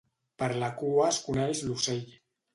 Per la cua es coneix l'ocell.